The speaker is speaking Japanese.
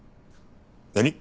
何！？